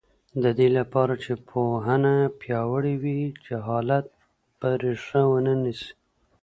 د دې لپاره چې پوهنه پیاوړې وي، جهالت به ریښه ونه نیسي.